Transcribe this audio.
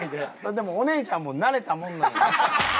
でもお姉ちゃんも慣れたもんなんよ。